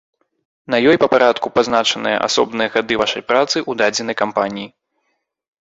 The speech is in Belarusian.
На ёй па парадку пазначаныя асобныя гады вашай працы ў дадзенай кампаніі.